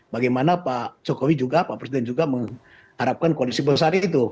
bagaimana pak jokowi juga pak presiden juga mengharapkan koalisi besar itu